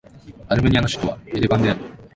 アルメニアの首都はエレバンである